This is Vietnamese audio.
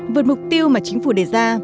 vượt mục tiêu mà chính phủ đề ra